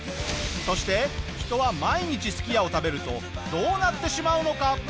そして人は毎日すき家を食べるとどうなってしまうのか？